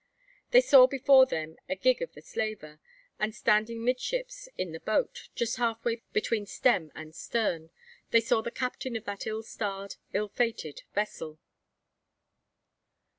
They saw before them the "gig" of the slaver; and, standing "midships" in the boat, just half way between stem and stern, they saw the captain of that ill starred, ill fated vessel!